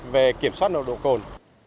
về kiểm soát nồng độ cồn